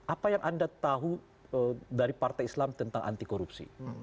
apa yang anda tahu dari partai islam tentang anti korupsi